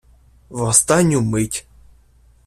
В останню мить